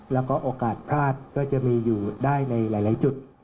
แล้วก็โอกาสพลาดก็จะมีอยู่ได้ในหลายจุด